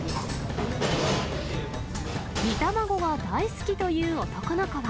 煮玉子が大好きという男の子は。